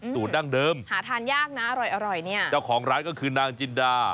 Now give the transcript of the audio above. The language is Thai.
ดั้งเดิมหาทานยากนะอร่อยอร่อยเนี่ยเจ้าของร้านก็คือนางจินดา